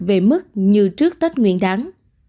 về mức như trước tết nguyên đáng